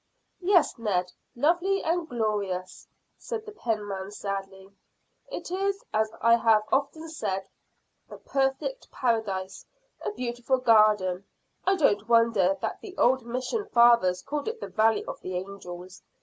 "Yes, Ned, lovely and glorious," said the penman sadly. "It is, as I have often said, a perfect paradise a beautiful garden. I don't wonder that the old mission fathers called it the Valley of the Angels.